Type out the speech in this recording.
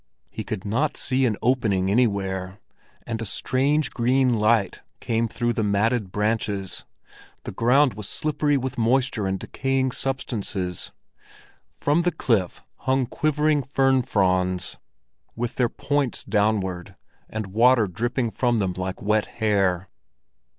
He could not see an opening anywhere, and a strange green light came through the matted branches, the ground was slippery with moisture and decaying substances; from the cliff hung quivering fern fronds with their points downward, and water dripping from them like wet hair.